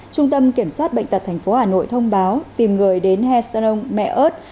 trung tâm kiểm soát bệnh tật tp hà nội thông báo tìm người đến hesanong mẹ ơt